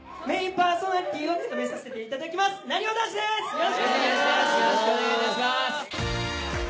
よろしくお願いします！